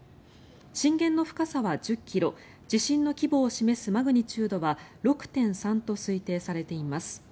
震源の深さは１０ｋｍ地震の規模を示すマグニチュードは６．３と推定されています。